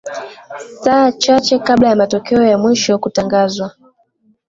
saa chache kabla matokeo ya mwisho kutangazwa